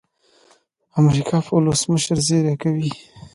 امریکا پر ولسمشر زېری کوي.